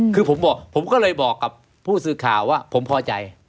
คือผมก็เลยบอกให้ผู้สื่อข่าวว่าผมพอใจ